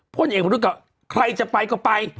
พลเอกมันรู้กับใครจะไปก็ไป